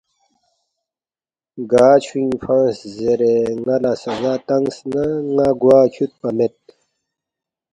گا چھُوئِنگ فنگس زیرے ن٘ا لہ سزا تنگس نہ، ن٘ا گوا کھیُودپا مید